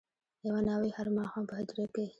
یوه ناوي هر ماښام په هدیره کي